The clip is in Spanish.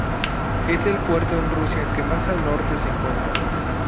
Es el puerto en Rusia que más al norte se encuentra.